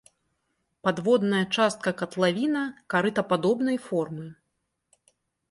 Падводная частка катлавіна карытападобнай формы.